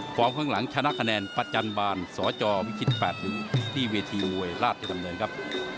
ข้างหลังชนะคะแนนประจันบาลสจวิชิต๘๑ที่เวทีมวยราชดำเนินครับ